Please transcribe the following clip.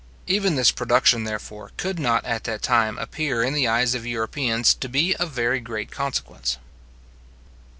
Even this production, therefore, could not at that time appear in the eyes of Europeans to be of very great consequence.